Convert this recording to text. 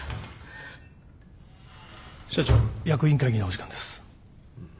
・社長役員会議のお時間です。